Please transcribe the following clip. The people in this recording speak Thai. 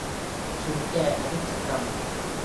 ถึงแก่อนิจกรรม